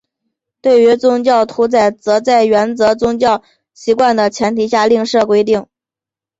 对于宗教屠宰则在遵守宗教习惯的前提下另设规定。